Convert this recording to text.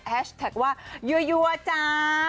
แท็กว่ายัวจ้า